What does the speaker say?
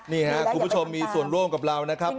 นี่ครับคุณผู้ชมมีส่วนร่วมกับเรานะครับ